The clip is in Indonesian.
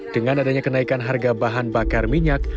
dengan adanya kenaikan harga bahan bakar minyak